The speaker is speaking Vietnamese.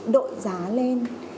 đội giá lên